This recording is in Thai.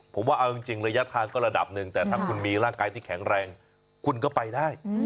ผมว่าเอาจริงระยะทางก็ระดับหนึ่งแต่ถ้าคุณมีร่างกายที่แข็งแรงคุณก็ไปได้